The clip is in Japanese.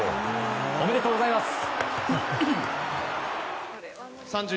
おめでとうございます。